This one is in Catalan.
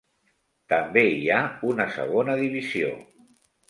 També hi ha una segona divisió.